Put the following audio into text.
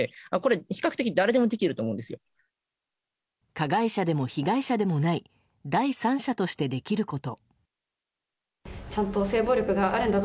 加害者でも被害者でもない第三者としてできること。